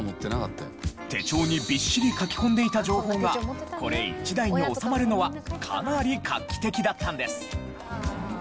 手帳にビッシリ書き込んでいた情報がこれ１台に収まるのはかなり画期的だったんです。